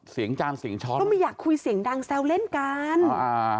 เสียงจานเสียงช้อนต้องมีอยากคุยเสียงดังแซวเล่นกันอ่า